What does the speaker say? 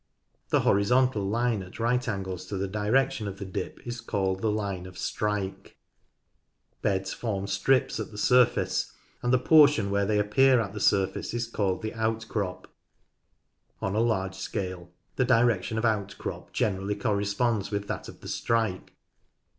The horizontal line at right angles to the direction of the dip is called the line of strike. Beds GEOLOGY AND SOIL 19 form strips at the surface, and the portion where they appear at the surface is called the outcrop. On a large scale the direction of outcrop generally corresponds with that of the strike.